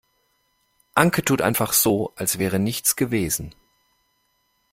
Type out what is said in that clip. Anke tut einfach so, als wäre nichts gewesen.